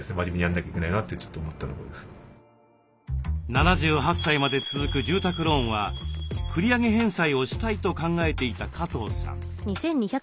７８歳まで続く住宅ローンは繰り上げ返済をしたいと考えていた加藤さん。